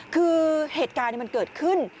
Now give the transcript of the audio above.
คือเหตุการณ์มันเกิดขึ้น